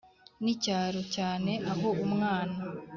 n’ icyaro cyane aho umwana